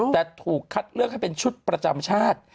แต่ถูกคัดเลือกให้เป็นชุดประจำชาติ